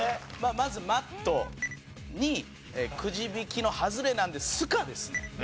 まず「マット」にくじ引きの外れなので「スカ」ですね。